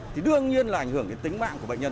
thì đương nhiên là ảnh hưởng đến tính mạng của bệnh nhân